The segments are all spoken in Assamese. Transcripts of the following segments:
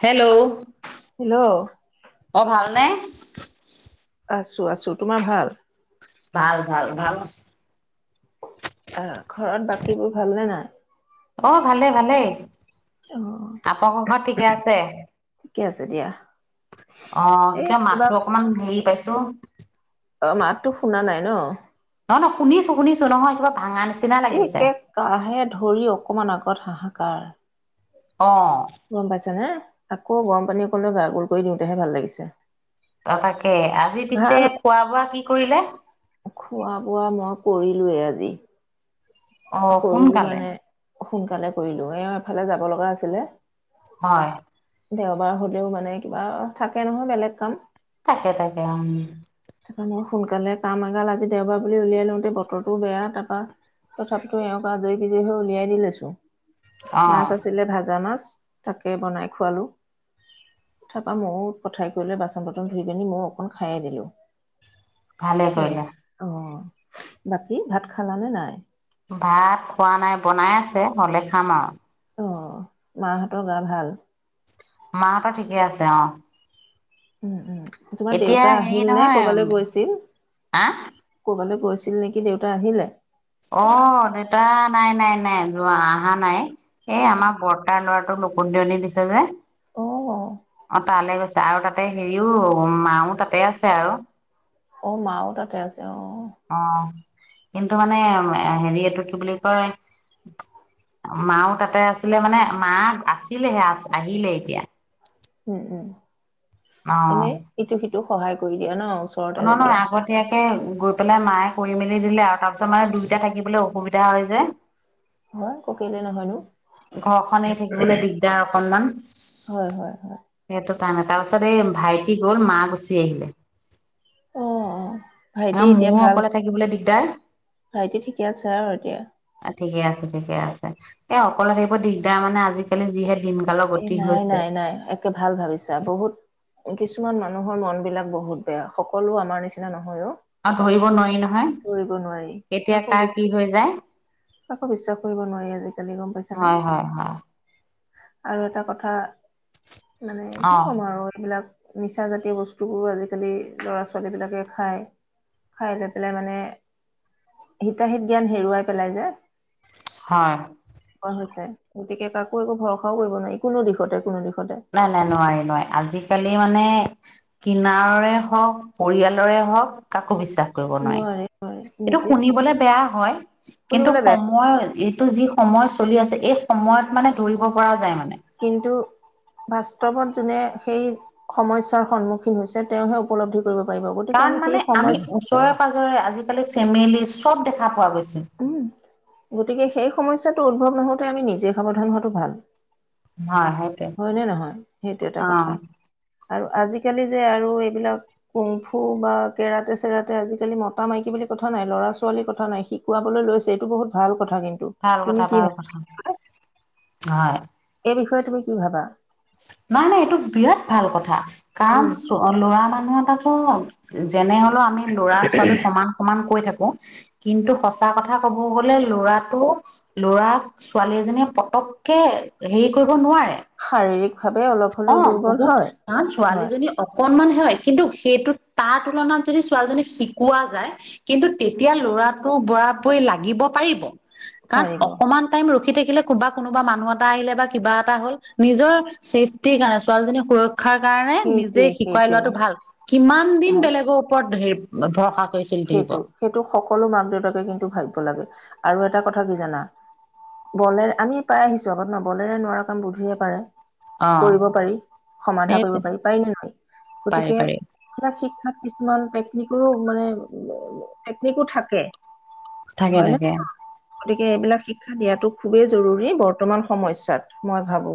হেল্ল' হেল্ল' অ' ভালনে? আছো আছো। তোমাৰ ভাল? ভাল ভাল ভাল। অ' ঘৰত বাকীবোৰ ভাল নে নাই? অ' ভালেই ভালেই। অ [unintelligible] ঘৰত ঠিকে আছে? ঠিকে আছে দিয়া। অ', এই কিয় কিবা মাতটো অকমান হেৰি পাইছে ত' অ', মাততো শুনা নাই ন'। অ', নহ, নহ শুনিছো শুনিছো নহয় কিবা ভাঙা‌ নি এই একে কাঁহে ধৰি অকমান আগ ঘৰত হাহাকাৰ। অ গম পাইছানে? আকৌ গৰম পানী অকণ লৈ গাৰগোল কৰি দিওঁতেহে ভাল লাগিছে। অ', তাকে আজি পিছে খোৱা বোৱা কি কৰিলে? খোৱা-বোৱা মই কৰিলোৱে আজি। অ', কৰিলো সোনকালে। মানে সোনকালে কৰিলোঁ, এওঁ এফালে যাব লগা আছিলে। হয়। দেওবাৰ হ'লেও মানে কিবা থাকে নহয় বেলেগ কাম। থাকে থাকে, অম। তাৰপৰা মই সোনকালে কাম এগাল আজি দেওবাৰ বুলি উলিয়াই লওঁতে বতৰতো বেয়া তাৰপা তথাপিতো এওঁক আজৰি [unintelligible] হৈ উলিয়াই দি লৈছোঁ। অ মাছ আছিলে, ভাজা মাছ। তাকে বনাই খোৱালোঁ। তাৰপা ময়ো পঠাই কৰি লৈ বাচন বৰ্তন ধুই পেনি ময়ো অকণ খায়ে দিলোঁ। ভালে কৰিলে। [unintelligible] অ'। বাকী ভাত খালা নে নাই? ভাত খোৱা নাই, বনাই আছে, হ'লে খাম আৰু। অ', মাহঁতৰ গা ভাল? মাহঁতৰ ঠিকে আছে অ'। উম উম, তোমাৰ এতিয়া দেউতা হেৰি আহিল নে? নহয় ক'বালৈ গৈছিল, আহ ক'বালৈ গৈ ছিল নেকি দেউতা আহিলে? অ, দেউতা নাই নাই নাই, যোৱা আহা নাই। এ, অ আমাৰ বৰ্তাৰ ল'ৰা নকুন দিয়নি দিছে যে। অ অ, তালে গৈ আৰু তাতে হেৰিও মাও তাতে আছে আৰু। অ, মাও তাতে আছে অ। অ কিন্তু মানে অ, হেৰি এইটো কি বুলি কয়, মাও তাতে আছিলে মানে মা আছিলেহে আহিলে এতিয়া। উম, উম। এনে ইটো সি তোক সহায় কৰি দিয়ে ন। ওচৰতে ন যেতিয়া নহয় আগতীয়াকে গ বোলে মায়ে কৰি মেলি দিলে আৰু তা মানে দুইটা থাকিবলে অসুবিধা হয় যে। হয় ককিলে নহয়নো। ঘৰখন এৰি থাকিবলে দিগদাৰ অকণমান। হয় হয় হয় সেইটো টান এটাল [unintelligible] ভাইটি গ'ল মাক গুছি আহিলে। অ অ ভাইটি আ এতিয়া মোৰো ভাল অকলে থাকিবলৈ দি [unintelligible] ভাইটি ঠিকে আছে আৰু এতিয়া। ঠিকে ঠিকে আছে। এ অকলে থাকিব দিগদাৰ মানে আজিকালি যিহে দিনকালৰ এ, গতি নাই হৈছে নাই নাই। একে ভাল ভাবিছা বহুত, কিছুমান মানুহ মানুহৰ মন বিলাক বহুত বেয়া সকলো আমাৰ নিচিনা নহয়। ময়ো, আৰু ধৰিব নোৱাৰি নহয় কৰিব নোৱাৰি কেতিয়া কাকো কাৰ বিচ, কি হৈ যায় কাকো বিশ্বাস কৰিব নোৱাৰি, আজিকালি গম পাইছ নে। হয় হয় হয় আৰু এটা কথা মানে অ কি ক'ম আৰু এইবিলাক নিচা জাতীয় বস্তুবোৰো আজিকালি ল'ৰা ছোৱালী বিলাকে খাই, খাই লৈ পেলাই মানে হিতাহিত জ্ঞান হেৰুৱাই পেলাই যে। হয়। হৈছে গতিকে কাকো একো ভৰষ ষাও কৰিব নোৱাৰি কোনো দিশতে কোনো দিশ নাই, নাই, নোৱাৰি-নোৱাৰি আজিকালি। এ মানে। কিনাৰৰে হওক। পৰিয়ালৰে হওঁক। কাকো বিশ্বাস কৰিব নোৱাৰি নোৱাৰি এইটো নিজে শুনিবলে বেয়া হয় কিন্তু শুনিবলৈ বেয়া সময় যি সময় চলি আছে এই সময়ত মানে ধৰিব পৰা যায় মানে কিন্তু বাস্তৱত যোনে সেই সমস্যাৰ সন্মুখীন হৈছে তেওঁহে উপলব্ধি কৰিব পাৰিব গতিকে আমি কাৰণ সেই মানে আমি সমস্যা ওচৰেৰে-পাজৰে আজিকালি ফেমিলি চব দেখা পোৱা গৈছে। উম গতিকে সেই সমস্যাটো উদ্ভৱ নহওঁতে আমি নিজে সাৱধান হোৱাটো ভাল। হয় সেইটোৱে হয় নে নহয় সেইটো এটা অ কথা আৰু আজিকালি যে আৰু এইবিলাক কুমফু বা কেৰাতে-চেৰাতে আজিকালি মতা-মাইকী বুলি কথা নাই ল'ৰা-ছোৱালীৰ কথা নাই শিকোৱাবলৈ লৈছে, এইটো বহুত ভাল কথা কিন্তু ভাল তুমি কথা কি কথা ভাল হয়। সেই বিষয়ে তুমি কি ভাবা? নাই নাই এইটো বিৰাট ভাল কথা। উম। কাৰণ চো ল'ৰা মানুহৰ কথাটো ন' যেনে হ'লেও আমি ল'ৰা-ছোৱালী সমান সমান কৈ থাকো। কিন্তু সঁচা কথা কব গলে ল'ৰাটো ল'ৰাক, ছোৱালী এজনীয়ে পতককে হেৰি কৰিব নোৱাৰে। হেৰি। অ, বহুত তাৰ ছোৱালী হয় জনী অকনমান। হয় কিন্তু সেইটো তাৰ তুলনাত যদি ছোৱালীজনীক শিকোৱা যায় কিন্তু তেতিয়া ল'ৰাটো বৰা ব লাগিব পাৰিব। কাৰণ পাৰিব অকমান টাইম ৰখি থাকি দেখিলে কবা কোনোবা মানুহ এটা আহিলে বা কিবা এটা হ'ল নিজৰ। চেফ্টিৰ কাৰণে ছোৱালীজনী সুৰ ক্ষাৰ কাৰণে নিজে সেইটোৱে শিকাই সেইটোৱে লোৱাটো ভাল, কিমান দিন হয়। বেলেগৰ ওপৰত ধৰি। ভৰসা। কৰি চলি থাকিব সেইটো সেইটো সকলো মাক দেউতাকে কিন্তু ভাবিব। লাগে আৰু এটা কথা কি জানা বলে আমি পাই আহিছো আগত ন বলেৰে নোৱাৰা কাম বুদ্ধিৰে পাৰে অ কৰিব পাৰি, সমাধা কৰিব সেইটোৱে পাৰি, পাৰি নে নোৱাৰি পাৰি গতিকে পাৰি এইবিলাক শিকা শিক্ষাত কিছুমান টেকনিকেলো মানে। টেকনিকো থাকে। থাকে হয় নে? থাকে গতিকে এইবিলাক শিখ শিক্ষা দিয়াটো খুবেই জৰুৰী বৰ্তমান সমস্যাত মই ভাবো।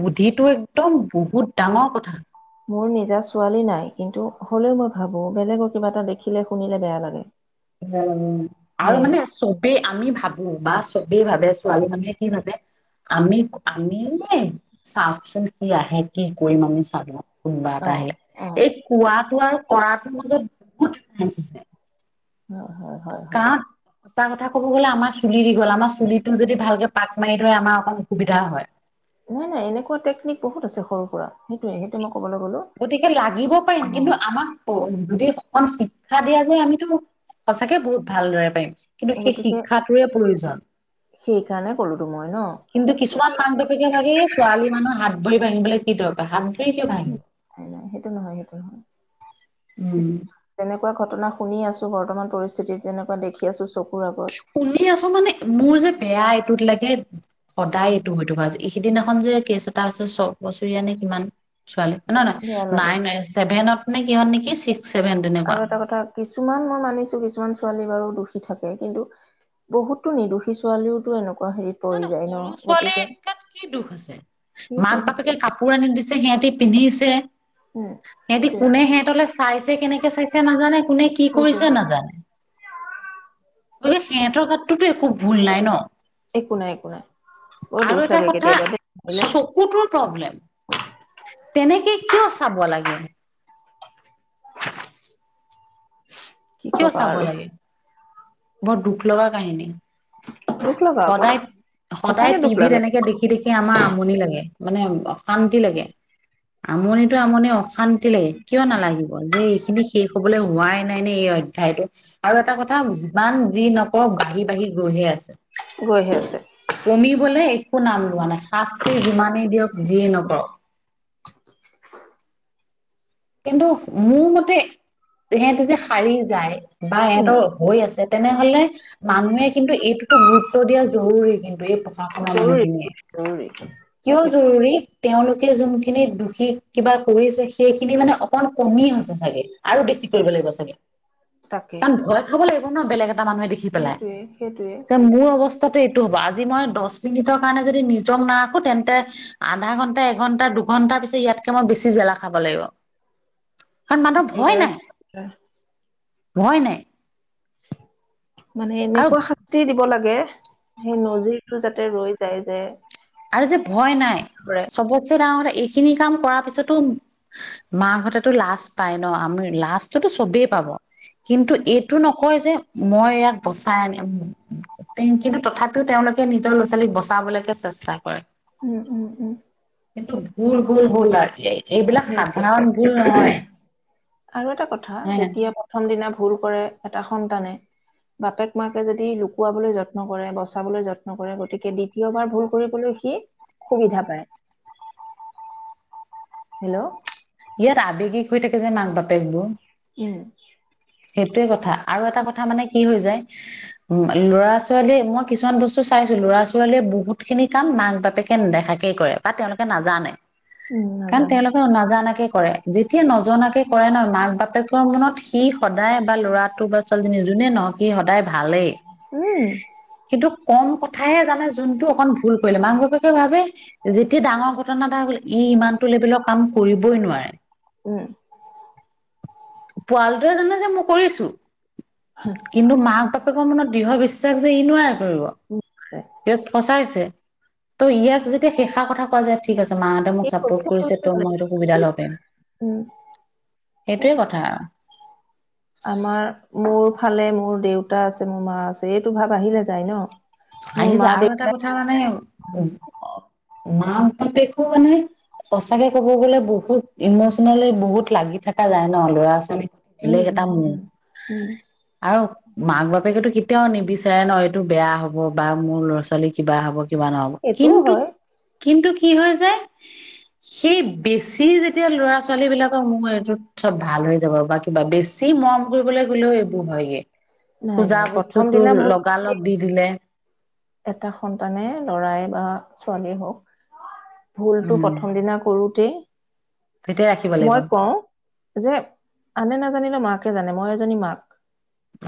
বুদ্ধিটো একদম বহুত ডাঙৰ কথা। মোৰ নিজা ছোৱালী নাই, কিন্তু হ'লেও মই ভাবো বেলেগৰ কিবা এটা দেখিলে শুনিলে বেয়া লাগে। অ', আৰু সেয়ে মানে চবেই আমি ভাবো বা চব বেই ভাবে ছোৱালী ভাবে কি ভাবে আমি, আমি নে? চা কি আহে কি কৰিম আমি [unintelligible] কোনবা এটা অ আহিলে অ এই কোৱাটো আ কৰাটো যে, বহুত [unintelligible] অ হয়, হয়, হয়। কাৰণ সঁচা কথা ক'ব গ'লে আমাৰ চুলি দীঘল আমাৰ চুলি টো যদি ভালকে পাক মাৰি সেইৰে আমাৰ অকণ অসুবিধা হয়। নাই, নাই এনেকুৱা টেকনিক বহুত আছে সৰু সুৰা সেইটোয়ে সেইটো মই ক'বলৈ গ'লো গতিকে লাগিব পাৰিম কিন্তু অ আমাক যদি অকণ শিক্ষা দিয়া যে, আমিতো সঁচাকে বহুত ভালদৰে পাৰিম। কিন্তু সেই গতিকে শিক্ষটোৰে প্ৰয়োজন। সেইকাৰণে ক'লোতো মই ন কিন্তু, কিছুমান মাক বাপেকে ভাবে ছোৱালী মানুহৰ হাত ভৰি ভাঙিবলৈ কি দৰ ভ [unintelligible] নাই নাই, সেইটো নহয় সেইটো নহয়। তেনেকুৱা ঘটনা শুনি আছোঁ বৰ্তমান পৰিস্থিতিত যেনেকুৱা দেখ আছো চকু শুনি আছো মানে মোৰ যে বেয়া এইটোত লাগে সদায় এইটো হৈ থকা হৈছে। এই সিদিনাখন যে কেছ এটা হৈছে চবছৰীয়া নে কিমান ছোৱালী নহয়, নহয় বেয়া লাগে নাইন চেভেনত নানে কিহত নে কি চিচ আৰু এটা কথা কিছুমান মই মানিছো কিছুমান ছোৱালী বাৰু দোষী থাকে কিন্তু বহুতো নিৰ্দোষী ছোৱালীওতো এনেকুৱা হেৰিত ন ন পৰি যায় সৰু ছোৱালীৰ গতিকে তাত কি দুখ আছে? মাক সেইটোৱে বাপেকে সেইটোৱে কাপোৰ আনি দিছে সিহঁতি পিন্ধিছে উম হিহতি সেইটোৱে কোনে হিহঁতলে চাইছে কেনেক কে চাইছে নাজানে কোনে কি সেইটোৱে কৰিছে নাজানে। ঐ সিহঁতৰ গাত তোৰতো একো ভুল নাই ন? একো নাই একো নাই বৰ দুখ আৰু এটা লাগে কথা, কেতিয়াবা দেই ভাবিলে চকুটোৰ প্ৰব্লেম। তেনেকে কিয় চাব লাগে কি কিয় কবা চাব আৰু লাগে? বৰ দুখ লগা কাহিনী। দুখ লগা আকৌ সদায়, সদায় সঁচাকে দুখ টিভিত লাগে এনেকে দেখি, দেখি আমাৰ আমনি লাগে। মানে উম, অশান্তি লাগে। আমনিতো আমনি অশান্তি লাগে, কিয় নালাগিব? যে, এইখিনি শেষ হ'বলৈ হোৱাই নাই নে এই অ [unintelligible] আৰু এটা কথা যিমান যি নকৰক বাঢ়ি বাঢ়ি গৈ হে আছে। গৈহে আছে কমিবলে একো নাম লোৱা নাই, শাস্তি যিমানেই দিয়ক যিয়েই নকৰক। কিন্তু- মোৰ মতে, ইহঁতে যে সাৰি যায় বা উম এহেতৰ হৈ আছে- তেনেহলে- মানুহে কিন্তু এইটোতো গুৰুত্ব দিয়া জৰুৰী কিন্তু এই প্ৰশাসনৰ জৰুৰী মানুহখিনিয়ে। জৰুৰী কিয় জৰুৰী তেওঁলোকে যোনখিনি দোষীক কিবা কৰিছে সেই- কিনি মানে অকন কমি হৈছে চাগে আৰু বেছি কৰিব লাগিব চাগে। তাকে কাৰণ ভয় খাব লাগিব। কোন বেলেগ এটা মানুহে দেখি পেলাই সেইটোৱে সেইটোৱে যে মোৰ অৱস্থাতটো এইটো হ'ব আ আজি মই দহ মিনিটৰ কাৰণে যদি নিজক নাৰাখো তেন্তে আধা ঘন্টা এঘন্টা দুঘণ্টা পিছত ইয়াতকে মই বেছি জ্বেলা খাব লাগিব। কাৰণ মানুহতোৰ ভয় একেবাৰে নাই। হয় নাই। [inaudible] মানে আৰু এনেকুৱা শাতি দিব লাগে। [inaudible] সেই নদিৰটো যাতে ৰৈ যায় যে আৰু যে ভয় নাই পৰাই চবতচে ডাঙৰ কথা। এইখিনি কাম কৰাৰ পিছতো মাকাহঁতেতো লাজ পাই ন আমি লাজতু তো চবেই পাব। কিন্তু এইটো নকয় যে মই ইয়াক বচাই আনিম [unintelligible] তথাপিও তেওঁলোকে নিজৰ ল'ৰা ছালীক বচাবলৈকে চেষ্টা হয় উম উম উমহ। কিন্তু ঘুৰ ঘুৰ হল অৰ [unintelligible] সেইটোৱে আৰু এটা কথা হে যেতিয়া প্ৰথম দিনা। ভুল কৰে এটা সন্তানে বাপেক মাকে যদি লুকুৱাবলৈ যত্ন কৰে বচাবলৈ যত্ন কৰে গতিকে দ্বিতীয়বাৰ ভুল কৰিবলৈ সি সুবিধা পায়। হেল্ল' ইয়াত আৱেগিক হৈ থাকে যে মাক বাপেকবোৰ। উম সেইটোৱে কথা। আৰু এটা কথা মানে কি হৈ যায়। উম লৰা ছোৱালীয়ে মই কিছুমান বস্তু চাইছো লৰা ছোৱালীয়ে বহুত খিনি কাম মাক বাপেকে নেদেখাকেই কৰে বা তেওঁলোকে নাজানে। উম কাৰণ নাজানে। তেওঁলোকে নাজানাকে কৰে যেতিয়া নজনাকে কৰে ন মাক বাপেকৰ মনত সি সদায় বা ল'ৰা তোৰ বা ছোৱালীজনী যোনে নহক সি সদায় ভালেই উম কিন্তু কম কথাহে জানে। কিন্তু অকণ ভুল কৰিলে মাক বাপেকে ভাবে যেতিয়া ডাঙৰ ঘটনা এটা হ'ল ই ইমান টো লেভেলৰ কাম কৰি বই নোৱাৰে উম। পোৱালটোৱে জানে যে, মই কৰিছোঁ। কিন্তু মাক বাপেকৰ মনত দৃঢ় বিচ যে, ই নোৱাৰে কৰিব। উম ইয়াক ফচাইছে। ত' ইয়াক যেতিয়া সেইসাৰ কথা কোৱা যায় ঠিক আছ মাহঁতে মোক এই চাপৰ্ট সুবিধা কৰিব কৰিছে ত' নালাগে মই সেইটো সুবিধা ল'ব পাৰিম। উম সেইটোৱে কথা। আমাৰ মোৰ ফালে মোৰ দেউতা আছে, মোৰ মা আছে এইটো ভাব আহিয়ে যায় ন? মোৰ আহি মা যায় আৰু এটা দেউতাই কথা মানে মা বাপেকো মানে সঁচাকে ক'ব গ'লে বহুত ইমচেনেলি বহুত লাগি থাকা যায় ন ল'ৰা ছোৱালী উম বেলেগ এটা উম মোহ উম উম আৰু মাক বাপেকেতো কেতিয়াও নিবিচাৰে ন? এইটো বেয়া হ হ'ব বা মোৰ ল'ৰা ছোৱালী কিবা হ'ব। কিবা নহ'ব সেইটোও কিন্তু, হয় কিন্তু কি হৈ যায়? সেই বেছি যেতিয়া ল'ৰা ছোৱালী বিলাকৰ মোৰ এইটোত চব ভাল হৈ যাব বা কিবা বেছি মৰম কৰিবলৈ গ'লেও এইবোৰ হয়গে। নাই খোজা নাই প্ৰথম বস্তুটো দিনা ভুল লগালগ দি দিলে। এটা সন্তানে ল'ৰাই বা ছোৱালীয়ে হওঁক ভুলতো উম প্ৰথম দিনা কৰোঁ তে তেতিয়া ৰাখিব লাগিব মই কওঁ যে, আনে নাজানিলে মাকে জানে মই জনী মাক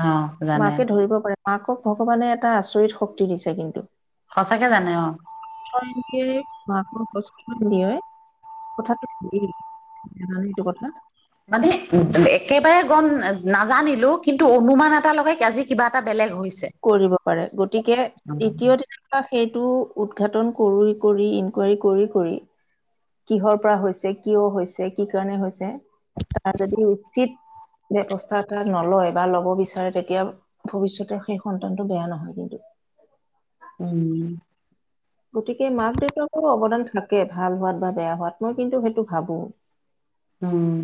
অ', জানে। মাকে ধৰিব পাৰে মাকক ভগৱানে এটা আচৰিত শক্ত টি, দিছে কিন্তু। সঁচাকে জানে অ'। সেই মাকক কষ্ট দিয়ে, কথাটো হেৰি জানানে এইটো কথা? মানে একেবাৰে গম-নাজানি লৈয়ো কিন্তু অনুমান এটা লগায় আজি কিবা এটা বেলেগ হৈছ কৰিব পাৰে, গতিকে দ্বিতীয় দিনা পৰা সেইটো উদঘাটন কৰি, কৰি ইনকুৱাৰী কৰি, কৰি কিহৰ পৰা হৈছে, কিয় হৈছে, কি কাৰণে হৈছে তাৰ যদি উচিত ব্যৱস্থা এটা নলয় বা ল'ব বিচাৰে তেতিয়া ভৱিষ্যতে শেষ সন্তানটো বেয়া নহয় কিন্তু। উম। গতিকে মাক দেউতাকৰো অৱদান থাকে ভাল হোৱাত বা বেয়া হোৱাত মই কিন্তু সেইটো ভাবো। উম।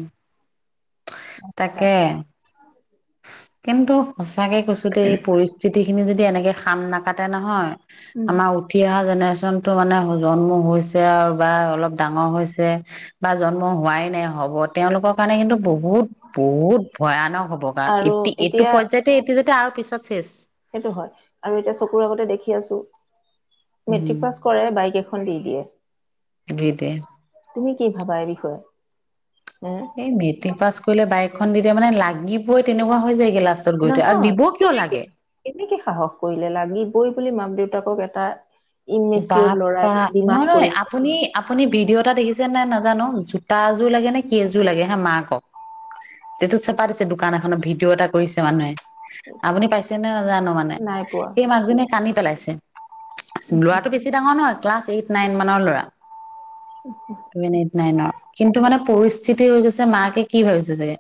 গম পাইছা তাকে। কিন্তু। সঁচাকে কৈছো দে এই পৰিস্থিত। গোটেইখিনি যদি এনেকৈ খাম নাকাটে নহয়। উম আমাৰ উঠি অহা যেনে। চনটো মানে জন্ম হৈছে আৰু বা অলপ ডাঙৰ হৈছে বা জন্ম হোৱাই নাই হ'ব তেওঁলোকৰ কাৰণে কিন্তু বহুত বহুত ভয়ানক হ'ব কাৰণ, আৰু এতি এইটো এতিয়া পৰ্যায়তে এইটো যেতিয়া আ পিছত চেচ সেইটো হয়, আৰু এতিয়া চকুৰ আগতে দেখি আছো মেট্ৰিক পাছ কৰে বাইক এখ খন দি দিয়ে দি দিয়ে তুমি কি ভাবা, এই বিষয়ে হে এই মেট্ৰিক পাছ কৰিলে বাইক দিদিয়ে মানে লাগিবই তেনেকুৱা হৈ যায় নহয়, কেনেকে-কেনেকে সাহস কৰিলে লাগিবই বুলি মাক-দেউ তাকক এটা বা ইমেচিয়ৰ ল'ৰাই পা, ডিমাণ্ড নহয় কৰিব আপুনি আপুনি ভিডিঅ' এটা দেখিছে যে মই নাজানো, জোতাযোৰ লাগে নে কি এযোৰ লাগে হা মাকক, তেটো চেপা দিছে দোকান এখনত ভিডিঅ' এটা কৰিছে মানুহে ইচ আপুনি পাইছে নে নাজানো মানে, নাই পোৱা সেই মাকজনীয়ে কানি পেলাইছে লৰাটো বেছি ডাঙৰ নহয় ক্লাছ এইট-নাইন মানৰ ল'ৰা। চেভেন এইট নাইনৰ, কিন্তু মানে পৰিস্থিতি হৈ গৈছে মাকে কি ভাবিছে চাগে,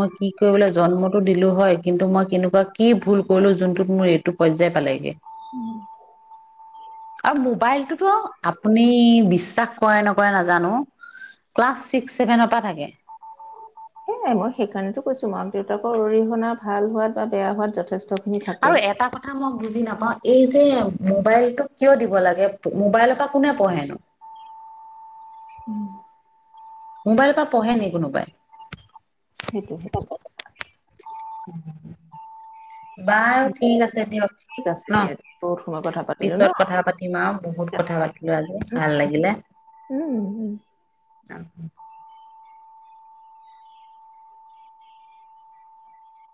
মই কি কৰিবলৈ জন্মতো দিলো হয়। কিন্তু মই কেনেকুৱা কি ভুল কৰিলোঁ যোনটোত মোৰ এই টো পৰ্যায় পালেগে উম', আৰু মোবাইলটো অ', আপুনি বিশ্বাস কৰে নকৰে নাজানো ক্লাছ ছিক্স চেভেনৰ পৰা থাকে। সেইয়াই মই সেইকাৰণেতো কৈছো মাক দেউতাকৰ অৰিহনা ভাল হোৱাত বা বেয়া হোৱাত যষ্ট আৰু এটা কথা মই বুজি নাপাওঁ এই যে মোবাইলটো কিয় দিব লাগে? মোবাইলৰ পৰা কোনে পঢ়ে নো? উম। মোবাইল পা সেইটো-সেইটো [inaudible] বাৰু ঠিক আছে দিয়ক ঠিক আছে ন? দিয়া দিয়া বহুত সময় কথা পাতিলো ন পিছত কথা পাতিম আৰু ঠিক বহুত আছে কথা দিয়া পাতিলো আজি, উম ভাল লাগিলে উম উম। উম।